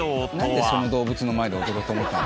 なんでその動物の前で踊ろうと思ったの？